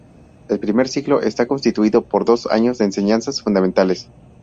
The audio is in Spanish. El primer ciclo está constituido por dos años de enseñanzas fundamentales.